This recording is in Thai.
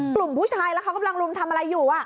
กลุ่มผู้ชายแล้วเขากำลังรุมทำอะไรอยู่